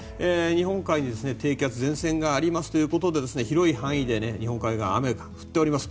日本海、低気圧前線がありますということで広い範囲で日本海側は雨が降っております。